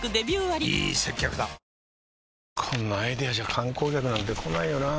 こんなアイデアじゃ観光客なんて来ないよなあ